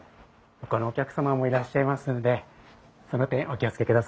ほかのお客様もいらっしゃいますのでその点お気を付けください。